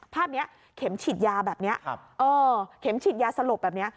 ภาพนี้เข็มฉีดยาแบบนี้เข็มฉีดยาสลบแบบนี้